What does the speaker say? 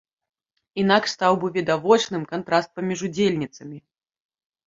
Інакш стаў бы відавочным кантраст паміж удзельніцамі.